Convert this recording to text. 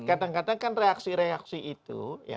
kadang kadang kan reaksi reaksi itu